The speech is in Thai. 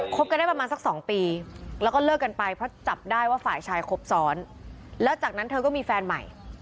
คบกันได้ประมาณสักสองปีแล้วก็เลิกกันไปเพราะ๐๙๑๓